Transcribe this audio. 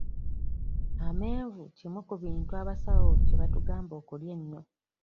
Amenvu kimu ku bintu abasawo kye batugamba okulya ennyo.